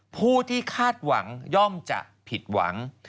ผู้ที่คาดหวังย่อมจะผิดหวัง